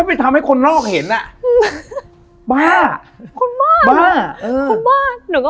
แต่ไปทำให้คนนอกเห็นไวน่ะบ้าง